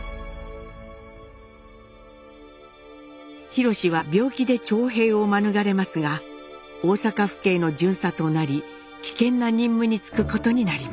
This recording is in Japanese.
廣は病気で徴兵を免れますが大阪府警の巡査となり危険な任務に就くことになります。